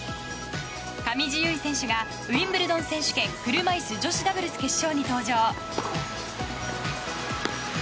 上地結衣選手がウィンブルドン選手権車いす女子ダブルス決勝に登場。